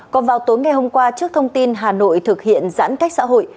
còn vào tối ngày hôm qua trước thông tin hà nội thực hiện giãn cách xã hội